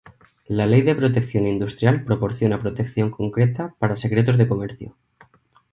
La Ley de Propiedad Industrial proporciona protección concreta para secretos de comercio.